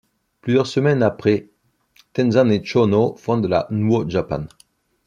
Plusieurs semaines après, Tenzan et Chōno fondent la nWo Japan.